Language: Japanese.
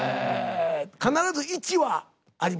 必ず１はあります。